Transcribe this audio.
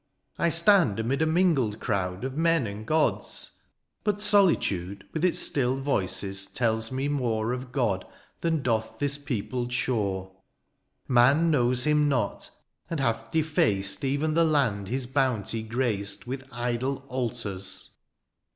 ^^ I stand amid a mingled crowd " Of men and Gods^ {g) but solitude ^^ With its still voices tells me more ^^ Of God^ than doth this peopled shore. ^^ Man knows him not, and hath defaced ^^ Even the land his bounty graced^ '^ With idol altars